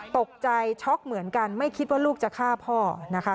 ตกใจช็อกเหมือนกันไม่คิดว่าลูกจะฆ่าพ่อนะคะ